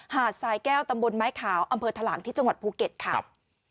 หาดสายแก้วตังบนไม้ขาวอทะลังที่ปูเก็ตภัย